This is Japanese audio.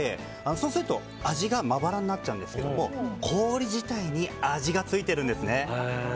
そうすると味がまばらになっちゃうんですけども氷自体に味がついてるんです。